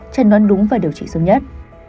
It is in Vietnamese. chẩn đoán đúng và điều trị sớm nhất